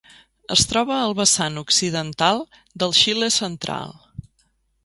Es troba al vessant occidental del Xile central.